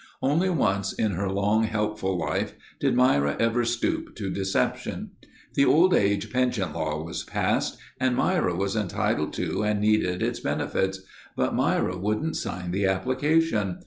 Only once in her long, helpful life did Myra ever stoop to deception. The old age pension law was passed and Myra was entitled to and needed its benefits, but Myra wouldn't sign the application.